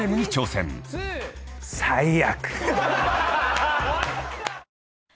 最悪。